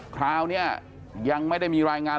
คราวนี้ยังไม่ได้มีรายงาน